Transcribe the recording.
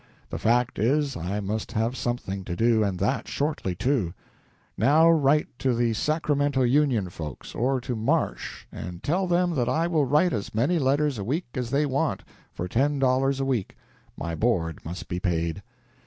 . The fact is, I must have something to do, and that shortly, too .... Now write to the "Sacramento Union" folks, or to Marsh, and tell them that I will write as many letters a week as they want, for $10 a week. My board must be paid.